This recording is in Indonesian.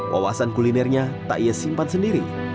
wawasan kulinernya tak ia simpan sendiri